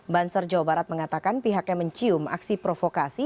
banser jawa barat mengatakan pihaknya mencium aksi provokasi